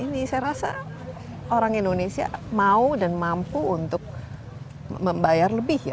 ini saya rasa orang indonesia mau dan mampu untuk membayar lebih ya